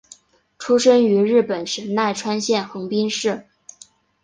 出生于日本神奈川县横滨市。